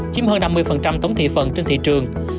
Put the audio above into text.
chiếm hơn năm mươi tổng thị phần trên thị trường